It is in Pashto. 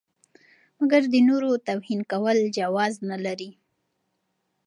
مګر د نورو توهین کول جواز نه لري.